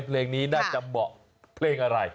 เพลงนี้น่าจะเหมาะเพลงอะไร